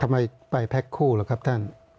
ทำไมไปแพ็คคู่เหรอครับท่าน